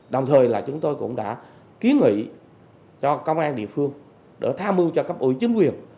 đồng thời là chúng tôi cũng đã ký nghị cho công an địa phương để tham mưu cho cấp ủy chính quyền